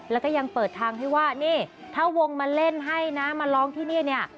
แล้วก็ยังเปิดทางให้ว่านี่ถ้าวงมาเล่นให้นะมาร้องที่นี่เนี่ย